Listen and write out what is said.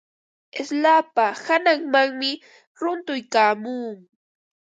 Slapa hananmanmi runtuykaamun.